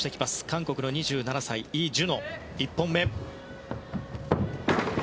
韓国の２７歳、イ・ジュノの１本目。